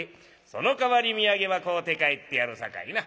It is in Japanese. そのかわり土産は買うて帰ってやるさかいな。